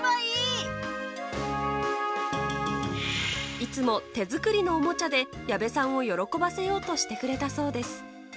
いつも手作りのおもちゃで矢部さんを喜ばせようとしてくれたそうです。